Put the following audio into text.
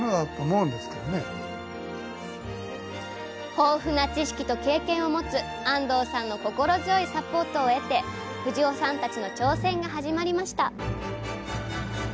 豊富な知識と経験を持つ安堂さんの心強いサポートを得て藤尾さんたちの挑戦が始まりました。